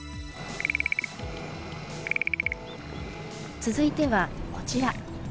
続いては、こちら。